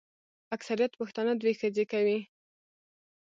اکثریت پښتانه دوې ښځي کوي.